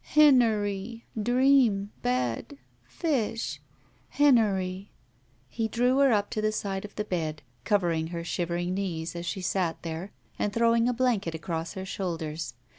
'* Hen ery — dream — ^bad — ^fish — ^Hen ery —'' He drew her up to the side of the bed, covering her shivering knees as she sat there, and throwing a blanket across her shoulders.